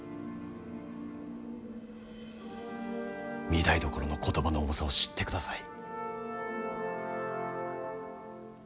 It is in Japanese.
御台所の言葉の重さを知ってください。